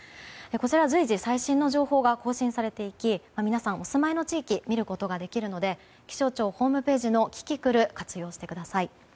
こちらは随時最新の情報が更新されていき皆さん、お住まいの地域を見ることができるので気象庁ホームページのキキクル活用してください。